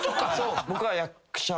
僕は役者を。